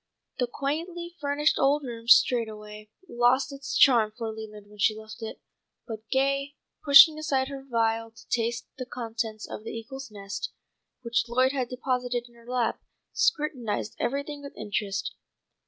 The quaintly furnished old room straightway lost its charm for Leland when she left it, but Gay, pushing aside her veil to taste the contents of the eagle's nest, which Lloyd had deposited in her lap, scrutinized everything with interest.